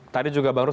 tadi juga bang ruhut